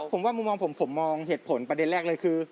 ผมว่ามุมมองผมผมมองเหตุผลประเด็นแรกเลยคือ